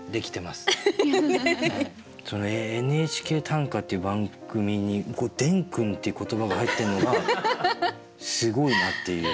「ＮＨＫ短歌」っていう番組に「デンくん」っていう言葉が入ってるのがすごいなっていう。